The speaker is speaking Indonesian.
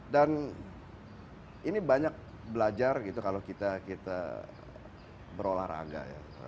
dan ini banyak belajar gitu kalau kita berolahraga